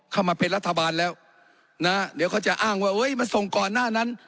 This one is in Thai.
เข้ามาเป็นรัฐบาลแล้วนะเดี๋ยวเขาจะอ้างว่าเฮ้ยมาส่งก่อนหน้านั้น